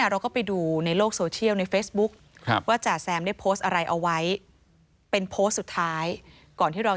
โรดของขึ้นเครื่องหมดแล้วนะครับ